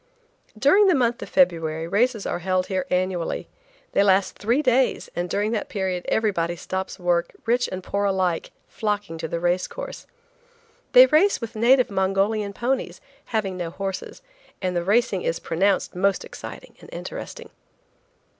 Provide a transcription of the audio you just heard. During the month of February races are held here annually. They last three days, and during that period everybody stops work, rich and poor alike flocking to the race course. They race with native bred Mongolian ponies, having no horses, and the racing is pronounced most exciting and interesting.